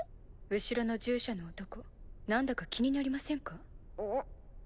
後ろの従者の男何だか気になりませんか？